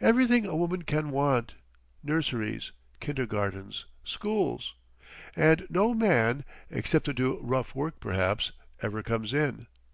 Everything a woman can want. Nurseries. Kindergartens. Schools. And no man—except to do rough work, perhaps—ever comes in.